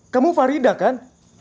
kamu farida kan